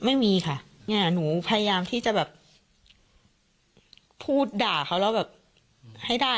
ไม่มีค่ะเนี่ยหนูพยายามที่จะแบบพูดด่าเขาแล้วแบบให้ได้